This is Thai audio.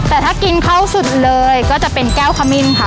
แต่ถ้ากินเข้าสุดเลยก็จะเป็นแก้วขมิ้นค่ะ